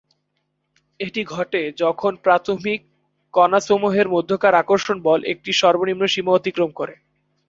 এটি ঘটে যখন প্রাথমিক কণাসমূহের মধ্যকার আকর্ষণ বল একটি সর্বনিম্ন সীমা অতিক্রম করে।